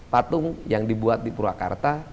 patung yang dibuat di purwakarta